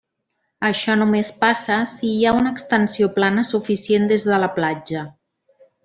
Això només passa si hi ha una extensió plana suficient des de la platja.